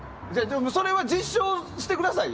それは実証してくださいよ。